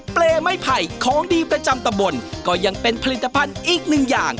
เปรย์ไม่ไผ่ของดีประจำตะบนก็ยังเป็นผลิตภัณฑ์อีกหนึ่งอย่าง